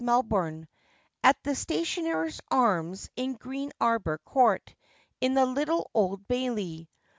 Melbourne, at the Stationer's Arms in Green Arbour Court, in the Little Old Baily.